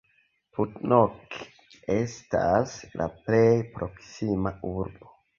Putnok estas la plej proksima urbo.